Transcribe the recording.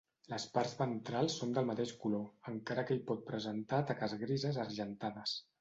Les parts ventrals són del mateix color, encara que hi pot presentar taques grises argentades.